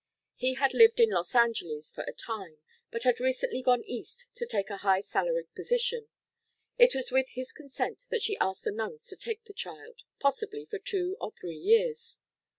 He had lived in Los Angeles for a time, but had recently gone East to take a high salaried position. It was with his consent that she asked the nuns to take the child possibly for two or three years.